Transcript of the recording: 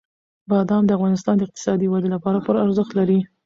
بادام د افغانستان د اقتصادي ودې لپاره پوره ارزښت لري.